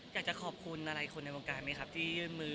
อยากจะขอบคุณอะไรคนในวงการไหมครับที่ยื่นมือ